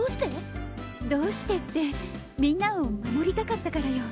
どうしてってみんなを守りたかったからよ。